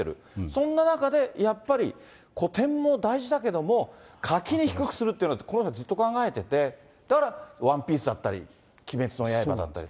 そんな中で、やっぱり古典も大事だけども、垣根を低くするってこれはずっと考えてて、だからワンピースだったリ、鬼滅の刃だったり。